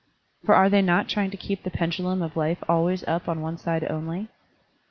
For are they not trying to keep the penduliun of life always up on one side only?